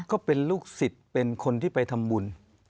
ก็เป็นลูกศิษย์เป็นคนที่ไปทำบุญ